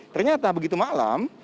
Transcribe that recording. ternyata begitu malam